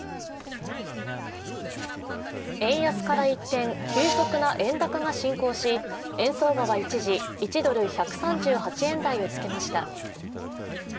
円安から一転、急速な円高が進行し円相場は一時、１ドル＝１３８円台をつけました。